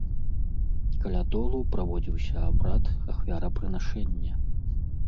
Каля долу праводзіўся абрад ахвярапрынашэння.